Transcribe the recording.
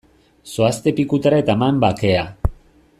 Zoazte pikutara eta eman bakea!